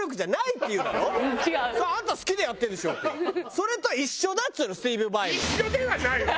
それと一緒だっつうのスティーヴ・ヴァイも。